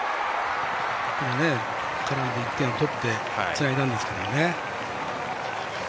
絡んで、１点を取ってつないだんですけどね。